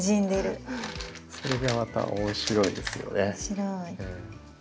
それがまた面白いですよね。